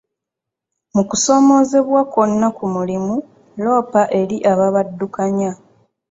Mu kusomoozebwa kwonna ku mulimu, loopa eri abaabaddukanya.